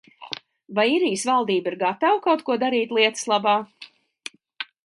Vai Īrijas valdība ir gatava kaut ko darīt lietas labā?